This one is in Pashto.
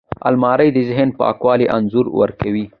الماري د ذهن پاکوالي انځور ورکوي